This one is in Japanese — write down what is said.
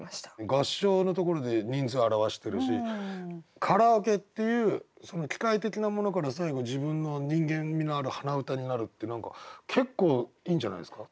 「合唱」のところで人数表してるし「カラオケ」っていう機械的なものから最後自分の人間味のある「鼻歌」になるって何か結構いいんじゃないですか。